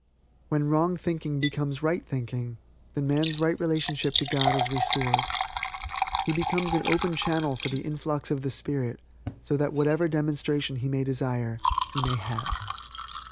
When wrong thinking becomes right thinking, then man's right relationship to God is restored. He becomes an open channel for the influx of the spirit so that whatever demonstration he may desire he may have.